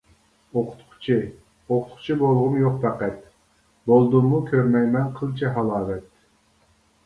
ئوقۇتقۇچى، ئوقۇتقۇچى بولغۇم يوق پەقەت، بولدۇممۇ كۆرمەيمەن قىلچە ھالاۋەت.